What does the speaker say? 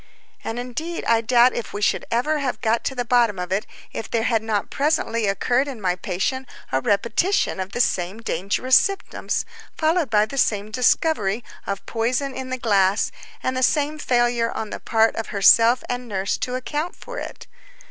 And indeed I doubt if we should have ever got to the bottom of it, if there had not presently occurred in my patient a repetition of the same dangerous symptoms, followed by the same discovery, of poison in the glass, and the same failure on the part of herself and nurse to account for it.